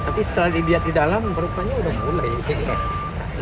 tapi setelah dilihat di dalam rupanya sudah mulai